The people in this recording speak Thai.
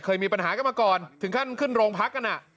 เคยมีปัญหากันมาก่อนถึงขั้นขึ้นโรงพักกัน